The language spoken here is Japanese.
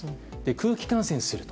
空気感染すると。